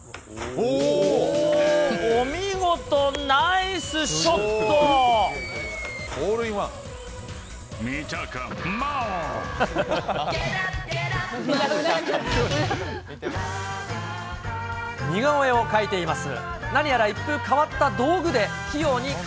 おー、お見事、ナイスショッ見たか！